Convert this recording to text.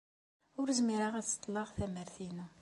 Ur zmireɣ ad seḍḍleɣ tamart-inu.